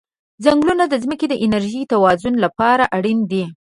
ځنګلونه د ځمکې د انرژی توازن لپاره اړین دي.